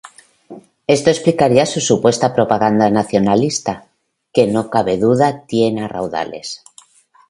Esto explicaría su supuesta propaganda nacionalista, que no cabe duda que tiene a raudales.